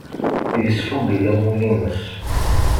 Yesfugel amulli-nnes.